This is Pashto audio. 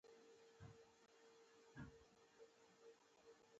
انګلیسي د مخاطب متوجه کولو وسیله ده